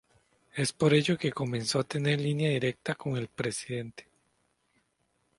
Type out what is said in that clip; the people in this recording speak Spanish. Es por ello que comenzó a tener línea directa con el presidente.